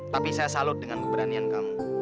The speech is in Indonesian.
tapi saya salut dengan keberanian kamu